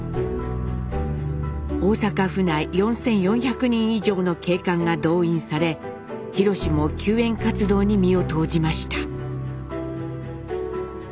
大阪府内４，４００人以上の警官が動員され廣も救援活動に身を投じました。